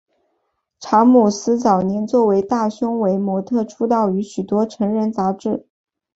查姆斯早年作为大胸围模特出道于许多成人杂志。